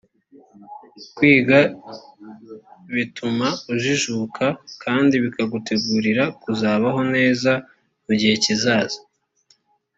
kwiga bituma ujijuka kandi bikagutegurira kuzabaho neza mu gihe kizaza